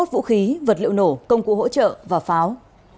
bốn sáu trăm bốn mươi một vũ khí vật liệu nổ công cụ hỗ trợ và pháo